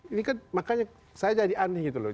ini kan makanya saya jadi aneh gitu loh